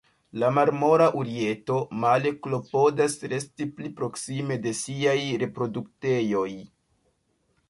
La Marmora urieto, male klopodas resti pli proksime de siaj reproduktejoj.